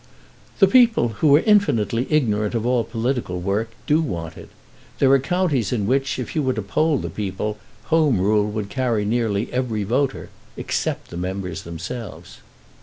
"The people, who are infinitely ignorant of all political work, do want it. There are counties in which, if you were to poll the people, Home Rule would carry nearly every voter, except the members themselves."